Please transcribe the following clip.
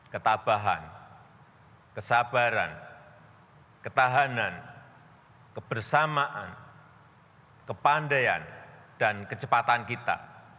ketabahan kesabaran ketahanan kebersamaan kepandaian dan kecepatan kita